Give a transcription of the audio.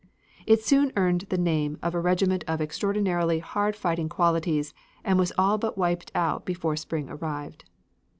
It soon earned the name of a regiment of extraordinarily hard fighting qualities and was all but wiped out before spring arrived.